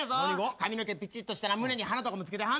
髪の毛ピチッとしたら胸に花とかも付けてはんねん。